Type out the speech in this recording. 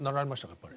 やっぱり。